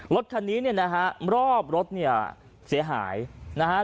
รถคันนี้เนี่ยนะครับรอบรถเสียหายนะฮะ